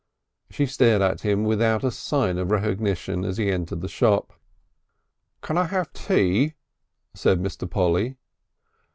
She stared at him without a sign of recognition as he entered the shop. "Can I have tea?" said Mr. Polly.